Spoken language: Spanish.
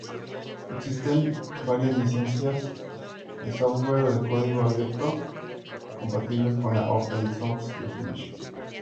Existen varias licencias de software de código abierto compatibles con la Open Source Definition.